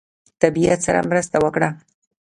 طبیعت سره مرسته وکړه.